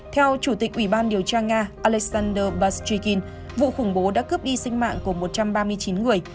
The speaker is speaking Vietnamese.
theo chủ tịch ủy ban điều tra nga alexander bashrikin vụ khủng bố đã cướp đi sinh mạng của một trăm ba mươi chín người